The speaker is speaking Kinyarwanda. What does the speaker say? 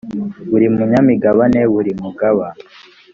buri munyamigabane buri mugaba